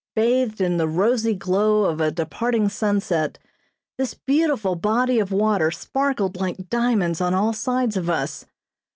Bathed in the rosy glow of a departing sunset, this beautiful body of water sparkled like diamonds on all sides of us.